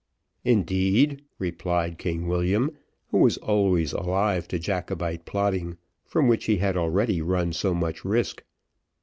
"Indeed!" replied King William, who was always alive to Jacobite plotting, from which he had already run so much risk.